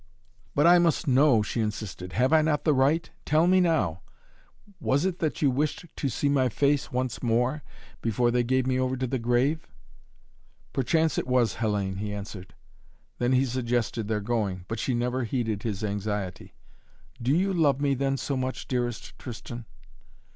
"But I must know," she insisted. "Have I not the right? Tell me now! Was it that you wished to see my face once more before they gave me over to the grave?" "Perchance it was, Hellayne," he answered. Then he suggested their going, but she never heeded his anxiety. "Do you love me then so much, dearest Tristan?"